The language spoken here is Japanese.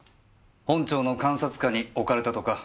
本庁の監察下に置かれたとか。